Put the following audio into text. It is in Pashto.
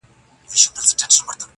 ډېر الله پر زړه باندي دي شـپـه نـه ده.